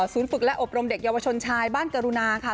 ฝึกและอบรมเด็กเยาวชนชายบ้านกรุณาค่ะ